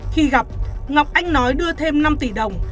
khi gặp ngọc anh nói đưa thêm năm tỷ đồng